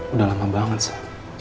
udah lama banget sa